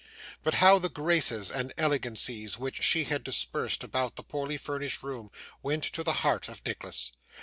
But how the graces and elegancies which she had dispersed about the poorly furnished room went to the heart of Nicholas!